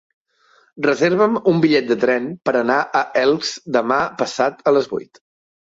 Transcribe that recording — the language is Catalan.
Reserva'm un bitllet de tren per anar a Elx demà passat a les vuit.